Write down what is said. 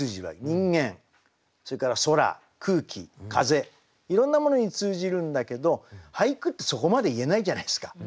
人間それから空空気風いろんなものに通じるんだけど俳句ってそこまで言えないじゃないですか。